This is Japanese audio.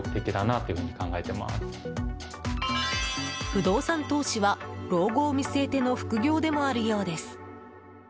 不動産投資は老後を見据えての副業でもあるようです。